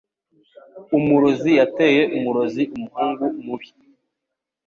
Umurozi yateye umurozi umuhungu mubi.